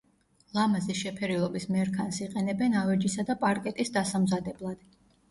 ლამაზი შეფერილობის მერქანს იყენებენ ავეჯისა და პარკეტის დასამზადებლად.